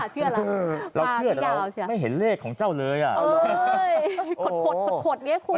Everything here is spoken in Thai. เชื่อแล้วค่ะเชื่อแล้วเราเชื่อแต่เราไม่เห็นเลขของเจ้าเลยอ่ะเออขดขดขดขดเนี้ยคุณ